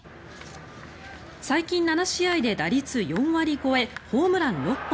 最近７試合で打率４割超えホームラン６本。